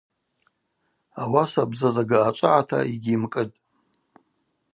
Ауаса бзазага ъачӏвагӏата йыгьйымкӏытӏ.